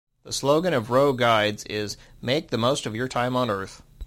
The slogan of Rough Guides is "Make the Most of Your Time on Earth".